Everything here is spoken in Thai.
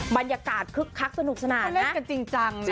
บรรยากาศคึกคักสนุกสนานเล่นกันจริงจัง